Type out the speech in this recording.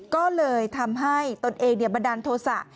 ก็เลยทำให้ตัวเองเนี่ยบันดาลโทสะ